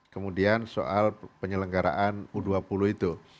kemudian soal penyelenggaraan u dua puluh itu